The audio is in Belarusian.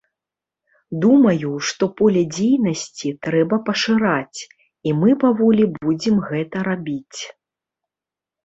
Думаю, што поле дзейнасці трэба пашыраць, і мы паволі будзем гэта рабіць.